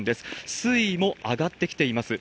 水位も上がってきています。